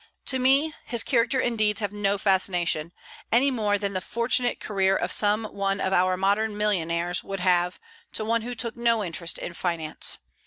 To me his character and deeds have no fascination, any more than the fortunate career of some one of our modern millionnaires would have to one who took no interest in finance.